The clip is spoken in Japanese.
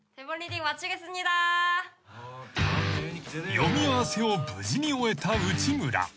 ［読み合わせを無事に終えた内村］